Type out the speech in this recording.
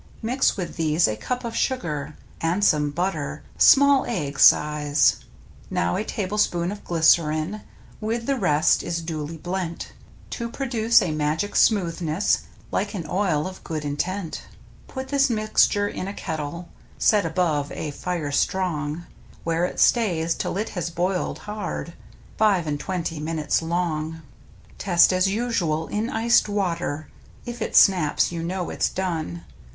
Mix with these a cup of sugar. And some butter — small egg size. Now a tablespoon of glycerine With the rest is duly blent, To produce a magic smoothness Like an oil of good intent. Put this mixture in a kettle Set above a fire strong, Where it stays till it has boiled hard Five and twentv minutes long. Test as usual in iced water. If it snaps you know it's done.